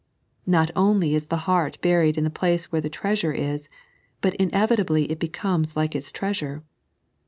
Not only is the heart buried in the place where the treasure is, bat inevitably it becomes like its treasure.